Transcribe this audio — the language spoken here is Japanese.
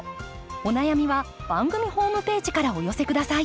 お悩みは番組ホームページからお寄せ下さい。